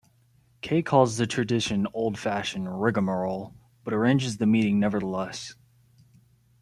Kay calls the tradition "old-fashioned rigamarole," but arranges the meeting nevertheless.